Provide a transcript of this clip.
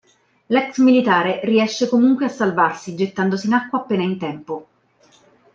L'ex militare riesce comunque a salvarsi, gettandosi in acqua appena in tempo.